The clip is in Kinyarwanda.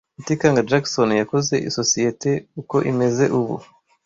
Rutikanga Jackson yakoze isosiyete uko imeze ubu.